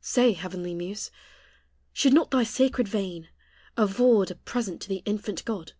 Say, heavenly muse, shall not thy sacred vein Afford a present to the infant God?